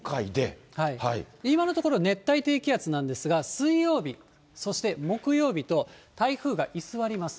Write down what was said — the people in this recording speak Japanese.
今のところ、熱帯低気圧なんですが、水曜日、そして木曜日と、台風が居座ります。